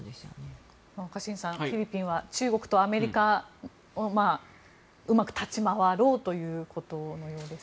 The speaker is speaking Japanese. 若新さん、フィリピンは中国とアメリカうまく立ち回ろうということのようです。